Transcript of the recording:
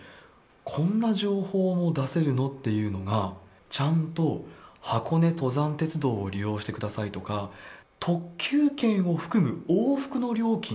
こんな情報も出せるの？ってのは、ちゃんと、箱根登山鉄道を利用してくださいとか、特急券を含む往復の料金